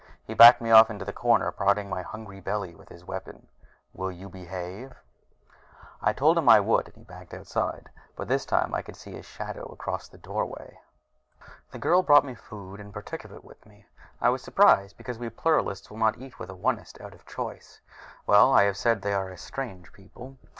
He backed me off into a corner, prodding my hungry belly with his weapon. "Will you behave?" I told him I would and he backed outside, but this time I could see his shadow across the doorway. The girl brought food and partook of it with me. I was surprised, because we Pluralists will not eat with an Onist out of choice. Well, I have said they are a strange people.